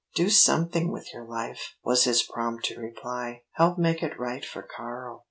"Do something with your life," was his prompt reply. "Help make it right for Karl."